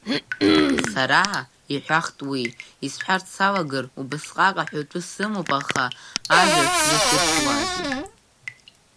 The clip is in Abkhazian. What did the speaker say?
Сара, иҳәахт уи, исҳәарц салагар, убасҟак аҳәатәы сымоуп, аха ажәа шәзасыршьуазеи…